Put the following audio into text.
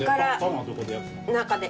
中で。